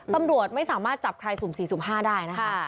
ตำรวจไม่สามารถจับใครสูมสี่สูมห้าได้นะคะ